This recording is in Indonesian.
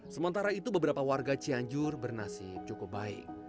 sementara itu beberapa warga cianjur bernasib cukup baik